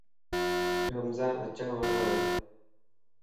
رمضان اچڻ وارو ا